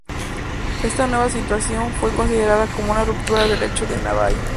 Esta nueva situación fue considerada como una ruptura de hecho de NaBai.